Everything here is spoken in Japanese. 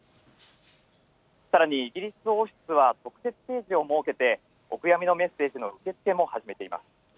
さらにイギリス王室は特設ページを設けて、お悔やみのメッセージの受け付けも始めています。